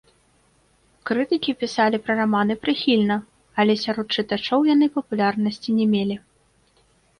Крытыкі пісалі пра раманы прыхільна, але сярод чытачоў яны папулярнасці не мелі.